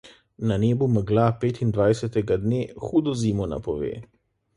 Na nebu megla petindvajsetega dne hudo zimo napove.